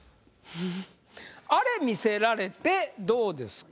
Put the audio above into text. あれ見せられてどうですか？